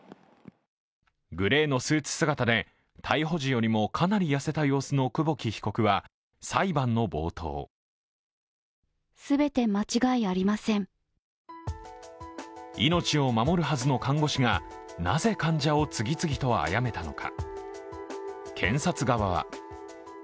グレーのスーツ姿で逮捕時よりもかなり痩せた様子の久保木被告は裁判の冒頭命を守るはずの看護師がなぜ患者を次々とあやめたのか。